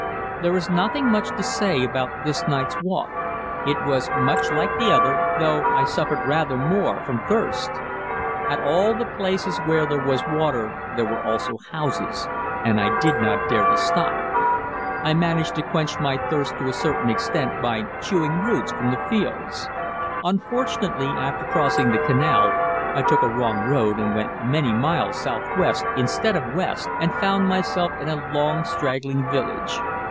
There is nothing much to say about this night's walk it was much like the other, though I suffered rather more from thirst. At all the places where there was water there were also houses, and I did not dare to stop. I managed to quench my thirst to a certain extent by chewing roots from the fields. Unfortunately, after crossing the canal, I took a wrong road and went many miles southwest instead of west, and found myself in a long straggling village.